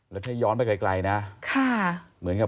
แล้วถ้าย้อนไปไกลนะ